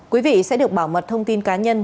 quý vị sẽ được bảo mật thông tin cá nhân